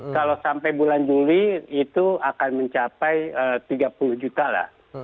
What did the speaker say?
kalau sampai bulan juli itu akan mencapai tiga puluh juta lah